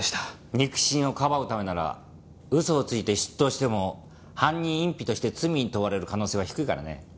肉親をかばうためなら嘘をついて出頭しても犯人隠避として罪に問われる可能性は低いからね。